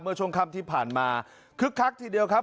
ช่วงค่ำที่ผ่านมาคึกคักทีเดียวครับ